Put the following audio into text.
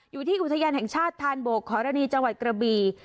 อยู่ที่อุทยานแห่งชาติธานโบกขอรณีจังหวัดกระบี